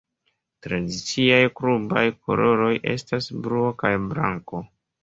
Tradiciaj klubaj koloroj estas bluo kaj blanko.